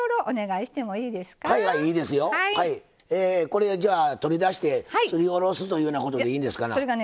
これじゃあ取り出してすりおろすというようなことでいいんですかな？